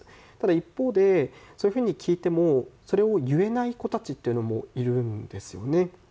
一方で、そういうふうに聞いてもそれを言えない子たちっていうのもいるんですよね。